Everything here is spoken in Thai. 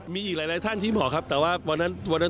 มีอีกหลายท่านธิบหาว่าวันนั้น